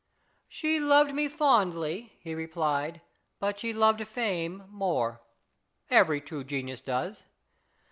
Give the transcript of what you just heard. " She loved me fondly/' he replied, " but she loved fame more. Every true genius does.